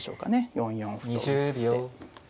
４四歩と打って。